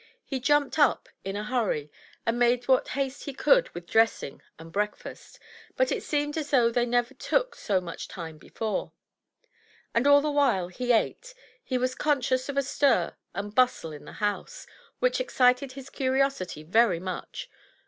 He jumped up in a hurry and made what haste he could with dressing and breakfast, but it seemed as though they never took so much time before; and all the while he ate he was conscious of a stir and bustle in the house, which excited his curiosity very much.